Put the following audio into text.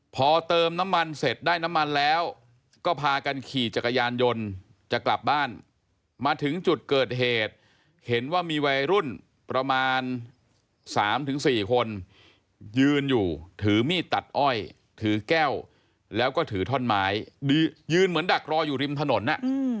พอเติมน้ำมันเสร็จได้น้ำมันแล้วก็พากันขี่จักรยานยนต์จะกลับบ้านมาถึงจุดเกิดเหตุเห็นว่ามีวัยรุ่นประมาณ๓๔คนยืนอยู่ถือมีดตัดอ้อยถือแก้วแล้วก็ถือท่อนไม้ยืนเหมือนดักรออยู่ริมถนน